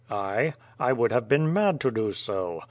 "1? I would have been mad to do so.